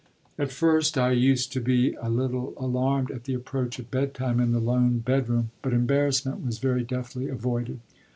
At first I used to be a little alarmed at the approach of bedtime in the lone bedroom, but embarrassment was very deftly avoided.